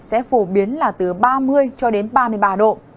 sẽ phổ biến là từ ba mươi cho đến ba mươi ba độ